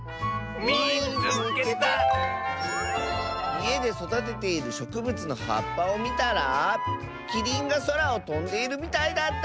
「いえでそだてているしょくぶつのはっぱをみたらキリンがそらをとんでいるみたいだった！」。